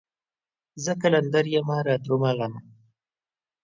زه قلندر يمه رادرومه غمه